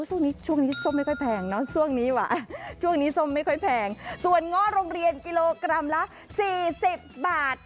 ช่วงนี้ส้มไม่ค่อยแพงส่วนง่อโรงเรียนกิโลกรัมละ๔๐บาท